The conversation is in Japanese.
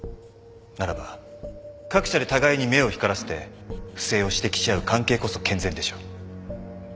ならば各社で互いに目を光らせて不正を指摘し合う関係こそ健全でしょう。